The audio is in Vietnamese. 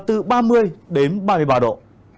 từ ba mươi đến ba mươi ba độ